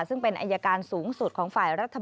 ซึ่งเป็นอายการสูงสุดของฝ่ายรัฐบาล